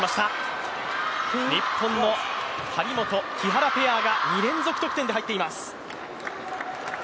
日本の張本・木原ペアが２連続得点で入っています。